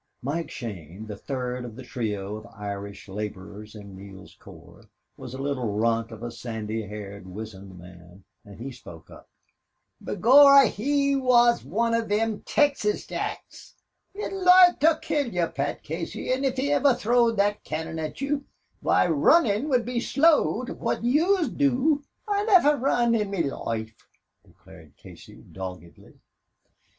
Mike Shane, the third of the trio of Irish laborers in Neale's corps, was a little runt of a sandy haired wizened man, and he spoke up: "Begorra, he's wan of thim Texas Jacks. He'd loike to kill yez, Pat Casey, an' if he ever throwed thot cannon at yez, why, runnin' 'd be slow to phwat yez 'd do." "I niver run in me loife," declared Casey, doggedly.